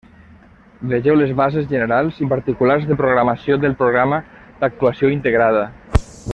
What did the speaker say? Vegeu les bases generals i particulars de programació del programa d'actuació integrada.